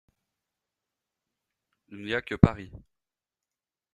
Il n'y a que Paris!